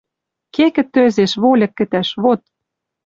Ке кӹтӧзеш вольык кӹтӓш, вот!